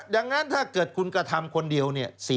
อย่างนั้นถ้าเกิดคุณกระทำคนเดียว๔๒๐